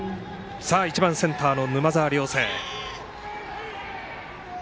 １番、センターの沼澤梁成。